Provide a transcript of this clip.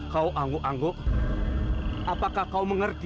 kau angguk angguk apakah kau mengerti